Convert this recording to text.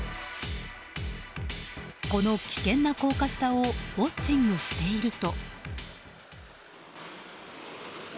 この危険な高架下をウォッチングしていると。